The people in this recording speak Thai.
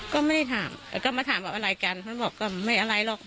ก็ไม่ได้ถามแต่ก็มาถามว่าอะไรกันเขาบอกก็ไม่อะไรหรอก